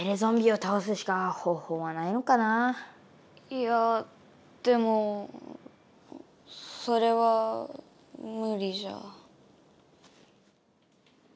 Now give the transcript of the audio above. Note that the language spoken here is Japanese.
いやでもそれは無理じゃ。